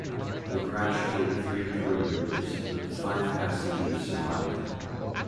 The crash killed three crew members, but the five passengers survived.